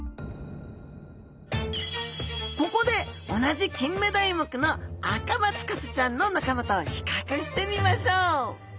ここで同じキンメダイ目のアカマツカサちゃんの仲間と比較してみましょう！